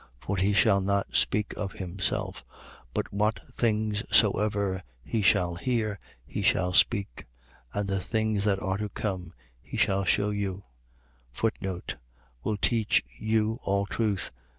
For he shall not speak of himself: but what things soever he shall hear, he shall speak. And the things that are to come, he shall shew you. Will teach you all truth.